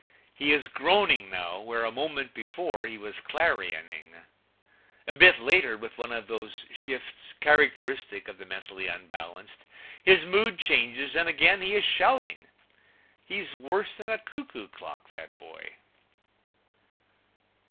He is groaning now, where a moment before he was clarioning. A bit later, with one of those shifts characteristic of the mentally unbalanced, his mood changes and again he is shouting. He's worse than a cuckoo clock, that boy.